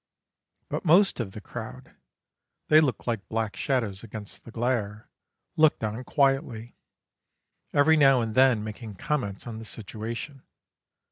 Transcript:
But most of the crowd they looked like black shadows against the glare looked on quietly, every now and then making comments on the situation.